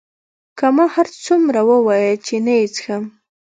که ما هرڅومره وویل چې نه یې څښم.